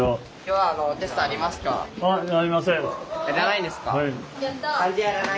はい。